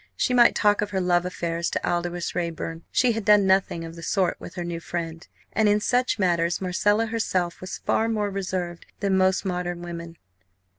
She might talk of her love affairs to Aldous Raeburn; she had done nothing of the sort with her new friend. And in such matters Marcella herself was far more reserved than most modern women.